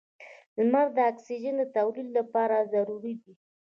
• لمر د اکسیجن د تولید لپاره ضروري دی.